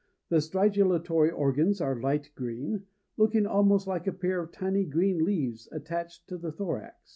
The stridulatory organs are light green, looking almost like a pair of tiny green leaves attached to the thorax.